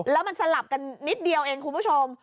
แล้วมันสลับกันนิดเดียวเองคุณผู้ชม